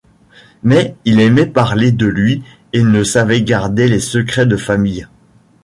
Mais il aimait parler de lui et ne savait garder les secrets de famille.